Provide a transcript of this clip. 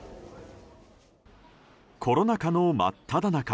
コロナ禍の真っただ中